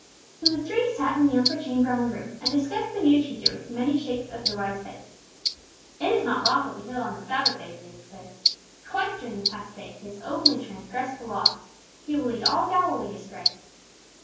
So the three sat in the upper chamber on the roof, and discussed the new teacher with many shakes of their wise heads. "It is not lawful to heal on the Sabbath day," they declared. "Twice during the past day He has openly transgressed the Law. He will lead all Galilee astray!"